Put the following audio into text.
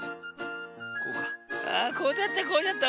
あっこうだったこうだった。